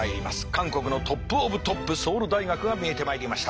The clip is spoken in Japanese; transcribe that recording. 韓国のトップオブトップソウル大学が見えてまいりました。